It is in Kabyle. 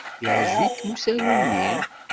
Yeɛjeb-ikem usaru-nni?